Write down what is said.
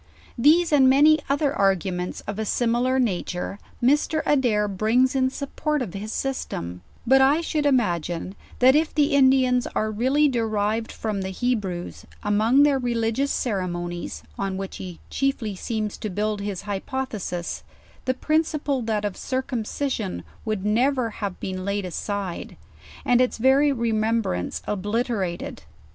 These and many other arguments of c, similar nature; Mr. Adair brings in support of his system; but f should imagine, that if the Indians are really derived from the Hebrews, among their religious ceremonies, on which he chiefly seems to build his hypothesis, the principal, that of circumcision, would never have been laid aside, and its very remembrance obliterated.